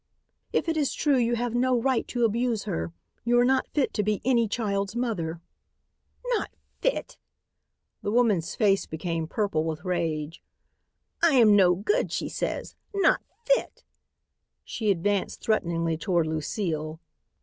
"If it is true, you have no right to abuse her you are not fit to be any child's mother." "Not fit," the woman's face became purple with rage. "I am no good, she says; not fit!" She advanced threateningly toward Lucile.